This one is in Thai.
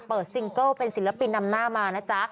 ซิงเกิลเป็นศิลปินนำหน้ามานะจ๊ะ